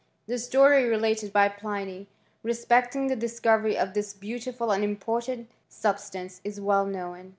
The story related by Pliuy, re cting the discovery of this beautiful and important •stance, is well known.